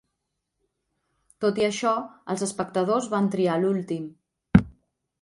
Tot i això, els espectadors van triar l'últim.